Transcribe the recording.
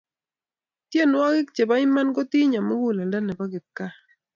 tienwokik chepo iman kotinyo mukuleldo nepo kipkaa